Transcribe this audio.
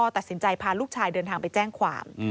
ตัดสินใจพาลูกชายเดินทางไปแจ้งความ